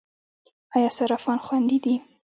آیا صرافان خوندي دي؟